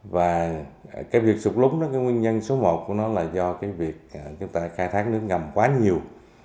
và cái việc sụt lúng đó cái nguyên nhân số một của nó là do cái việc chúng ta khai thác nước ngầm quá nhiều